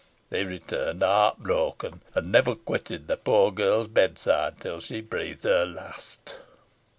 He returned heart broken, and never quitted the poor girl's bedside till she breathed her last."